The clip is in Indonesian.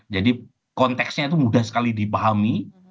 jadi konteksnya itu mudah sekali dipahami